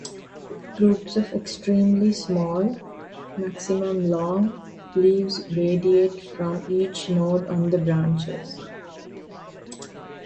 Groups of extremely small (maximum long) leaves radiate from each node on the branches.